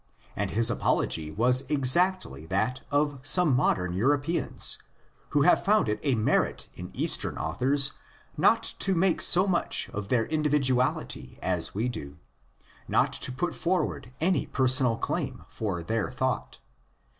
And his apology was exactly that of some modern Europeans, who have found if a merit in Eastern authors not to make so much of their individuality as we do; not to put forward any personal claim for their thought.